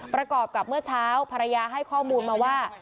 ประกอบกับเมื่อเช้าภรรยาให้ข้อมูลมาว่า